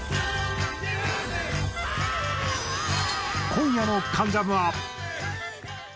今夜の『関ジャム』は。